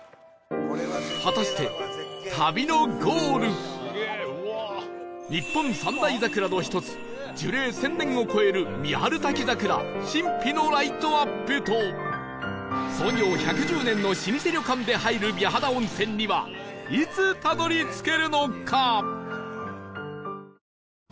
果たして日本三大桜の一つ樹齢１０００年を超える三春滝桜神秘のライトアップと創業１１０年の老舗旅館で入る美肌温泉にはいつたどり着けるのか？